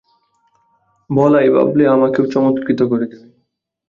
বলাই ভাবলে, আমাকেও চমৎকৃত করে দেবে।